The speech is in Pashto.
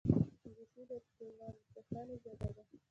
انګلیسي د ټولنپوهنې ژبه ده